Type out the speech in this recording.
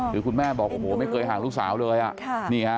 คือคุณแม่บอกโอ้โหไม่เคยห่างลูกสาวเลย